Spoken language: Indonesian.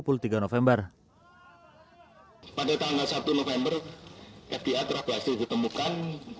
pada tanggal satu november fda telah berhasil ditemukan